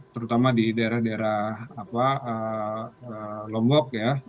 terutama di daerah daerah lombok ya